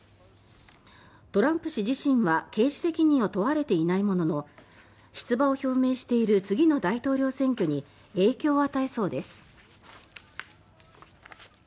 トランプ氏自身は刑事責任を問われていないものの出馬を表明している次の大統領選挙に影響を与えそうです。